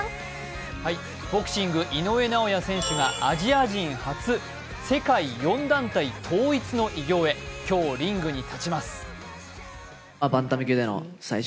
ボクシング井上尚弥選手が、アジア人初世界４団体統一の偉業へ、今日リングに立ちます。